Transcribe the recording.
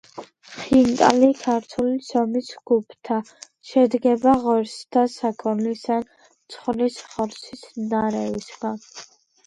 ხინკალი ქართული ცომის გუფთა. შედგება ღორისა და საქონლის ან ცხვრის ხორცის ნარევისგან.